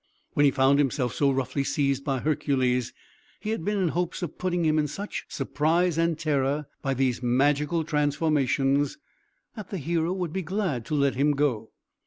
When he found himself so roughly seized by Hercules, he had been in hopes of putting him into such surprise and terror, by these magical transformations, that the hero would be glad to let him go.